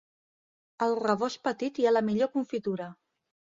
Al rebost petit hi ha la millor confitura.